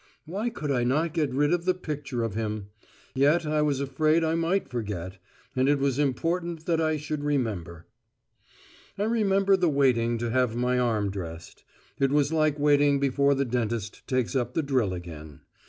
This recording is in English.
Why could I not get rid of the picture of him? Yet I was afraid I might forget; and it was important that I should remember.... I remember the waiting to have my arm dressed. It was like waiting before the dentist takes up the drill again.